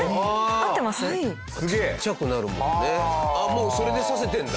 あっもうそれで刺せてるんだ。